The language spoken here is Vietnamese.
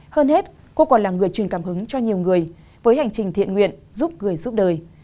hơn hết cô còn là người truyền cảm hứng cho nhiều người với hành trình thiện nguyện giúp người giúp đời